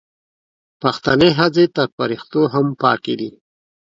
پښتنې ښځې تر فریښتو هم پاکې دي